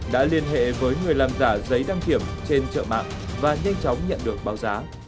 đã liên hệ với người làm giả giấy đăng kiểm trên chợ mạng và nhanh chóng nhận được báo giá